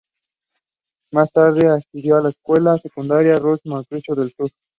Más tarde, asistió a la escuela secundaria Rosso en Mauritania del sur.